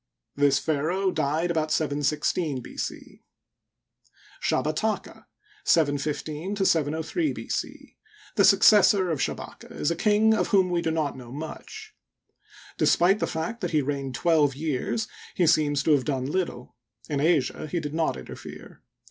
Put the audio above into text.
This pharaoh died about 716 B. C. Shabataka (715 703 b. c), the successor of Sha baka, is a king of whom we do not know much. Despite the fact that he reigned twelve years, he seems to have done little. In Asia he did not interifere.